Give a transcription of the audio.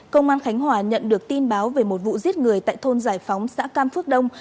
công an khánh hòa nhận được tin báo về một vụ giết người tại thôn giải phóng xã cam phước đông